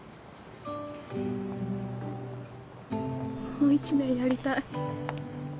もう一年やりたい。